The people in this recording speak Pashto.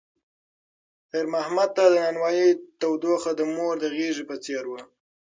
خیر محمد ته د نانوایۍ تودوخه د مور د غېږې په څېر وه.